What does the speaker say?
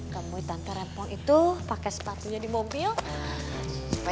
temui tante rempong itu pakai sepatunya di mobil